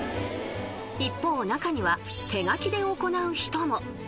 ［一方中には手描きで行う人も］